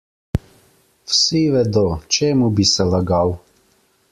Vsi vedo, čemu bi se lagal?